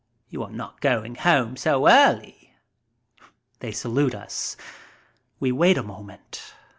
You are not going home so early?" They salute us. We wait a moment.